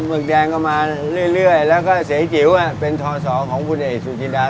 หมึกแดงก็มาเรื่อยแล้วก็เศษจิ๋วเป็นทหารศอของผู้เด้อเสียชิดา